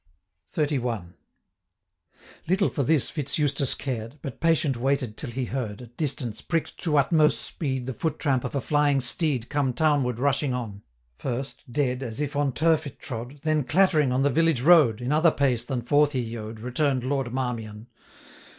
XXXI. Little for this Fitz Eustace cared, 590 But, patient, waited till he heard, At distance, prick'd to utmost speed, The foot tramp of a flying steed, Come town ward rushing on; First, dead, as if on turf it trode, 595 Then, clattering on the village road, In other pace than forth he yode, Return'd Lord Marmion.